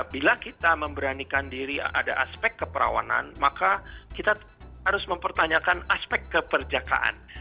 bila kita memberanikan diri ada aspek keperawanan maka kita harus mempertanyakan aspek keperjakaan